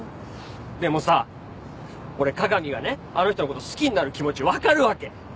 でもさ俺加賀美がねあの人の事を好きになる気持ちわかるわけ！